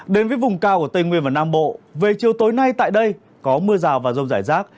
đến với vùng cao của tây nguyên và nam bộ về chiều tối nay tại đây có mưa rào và rông rải rác